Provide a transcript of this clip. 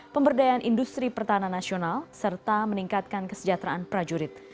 pemberdayaan industri pertahanan nasional serta meningkatkan kesejahteraan prajurit